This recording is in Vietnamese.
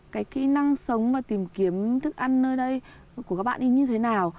cái kỹ năng sống và tìm kiếm thức ăn nơi đây của các bạn như thế nào